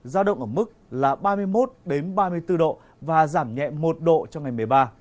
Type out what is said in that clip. giao động ở mức là ba mươi một ba mươi bốn độ và giảm nhẹ một độ trong ngày một mươi ba